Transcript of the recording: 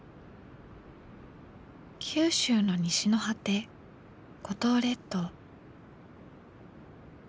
九州の西の果て五島列島。